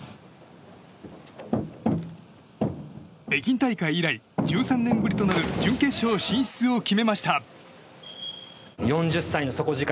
北京大会以来１３年ぶりとなる準決勝進出を決めました。